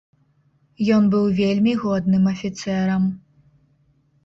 Ён быў вельмі годным афіцэрам.